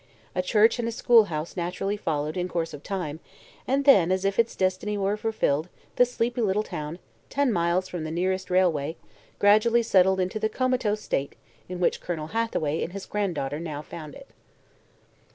A church and a schoolhouse naturally followed, in course of time, and then, as if its destiny were fulfilled, the sleepy little town ten miles from the nearest railway gradually settled into the comatose state in which Colonel Hathaway and his granddaughter now found it.